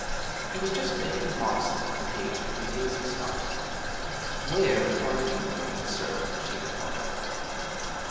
He was just making modestly for the gate when Daisy stopped him. 'Where are you going, sir?' she inquired.